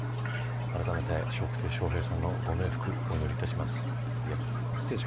あらためて笑福亭笑瓶さんのご冥福をお祈りします。